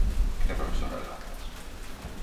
Era profesora de danzas.